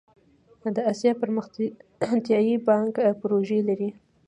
د اسیا پرمختیایی بانک پروژې لري